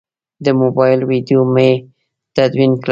د موبایل ویدیو مې تدوین کړه.